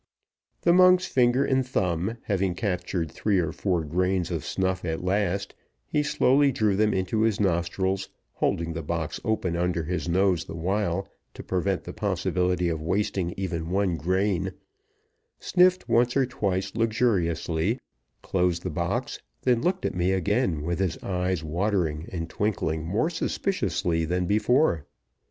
The monk's finger and thumb having captured three or four grains of snuff at last, he slowly drew them into his nostrils, holding the box open under his nose the while, to prevent the possibility of wasting even one grain, sniffed once or twice luxuriously closed the box then looked at me again with his eyes watering and twinkling more suspiciously than before.